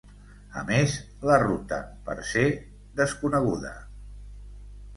A més, la ruta "per se" desconeguda.